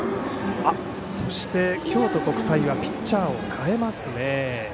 そして、京都国際はピッチャーを代えますね。